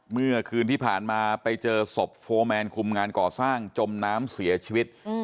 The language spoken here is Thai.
เมื่อคืนที่ผ่านมาไปเจอศพโฟร์แมนคุมงานก่อสร้างจมน้ำเสียชีวิต